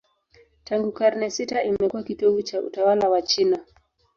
Tangu karne sita imekuwa kitovu cha utawala wa China.